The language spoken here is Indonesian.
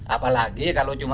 apalagi kalau cuma